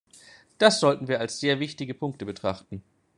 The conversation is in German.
Das sollten wir als sehr wichtige Punkte betrachten.